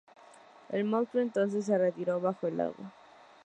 El monstruo entonces se retiró bajo el agua.